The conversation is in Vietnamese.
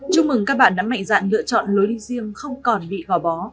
chúc mừng các bạn đã mạnh dạn lựa chọn lối đi riêng không còn bị gò bó